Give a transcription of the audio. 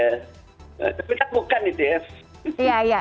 tapi kan bukan itu ya